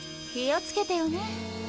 気を付けてよね。